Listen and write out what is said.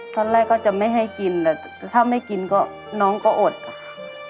ตอนแรกก็จะไม่ให้กินแต่ถ้าไม่กินก็น้องก็อดอะค่ะ